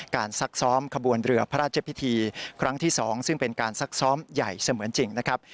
ซักซ้อมขบวนเรือพระราชพิธีครั้งที่๒ซึ่งเป็นการซักซ้อมใหญ่เสมือนจริงนะครับ